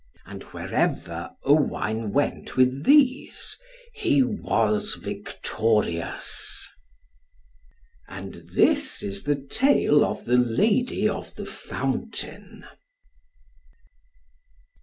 And wherever Owain went with these, he was victorious. And this is the tale of THE LADY OF THE FOUNTAIN.